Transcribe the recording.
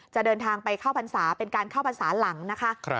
เดินทางไปเข้าพรรษาเป็นการเข้าพรรษาหลังนะคะ